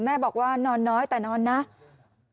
แม่บอกว่านอนน้อยแต่นอนนะ